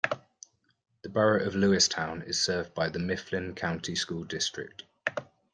The Borough of Lewistown is served by the Mifflin County School District.